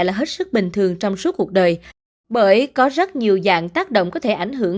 là hết sức bình thường trong suốt cuộc đời bởi có rất nhiều dạng tác động có thể ảnh hưởng